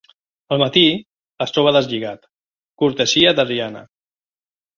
Al matí, es troba deslligat, cortesia de Rianna.